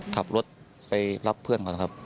ขับรถไปรับเพื่อนมาครับ